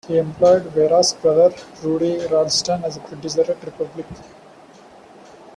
He employed Vera's brother Rudy Ralston as a producer at Republic.